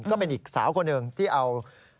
ก็เป็นอีกสาวคนหนึ่งที่เอา